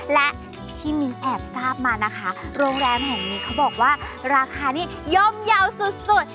และที่มิ้นแอบทราบมานะคะโรงแรมแห่งนี้เขาบอกว่าราคานี่ย่อมเยาว์สุด